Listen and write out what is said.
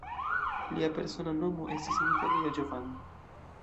Lia persona nomo estis en Italio Giovanni.